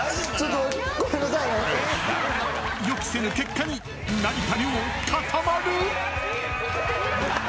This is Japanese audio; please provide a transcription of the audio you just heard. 予期せぬ結果に成田凌、固まる？